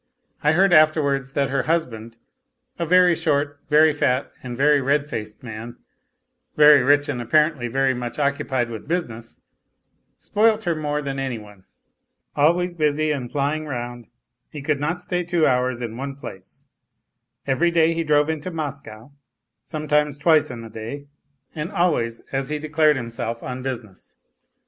I heard afterwards that her husband, a very short, very fat, and very red faced man, very rich and apparently very much occupied with business, spoilt her more than any one. Always busy and flying round, he could not stay two hours in one place. Every day he drove into Moscow, sometimes twice in the day, and always, as he declared himself, on business.